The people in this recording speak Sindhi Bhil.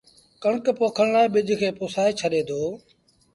ڪڻڪ پوکڻ لآ ٻج کي پُسآئي ڇڏي دو